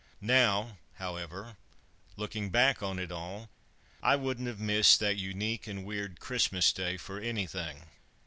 Now, however, looking back on it all, I wouldn't have missed that unique and weird Christmas Day for anything.